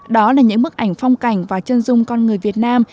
đó là những bức ảnh phong cảnh và chân dung con người việt nam